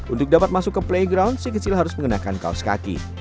untuk dapat masuk ke playground si kecil harus mengenakan kaos kaki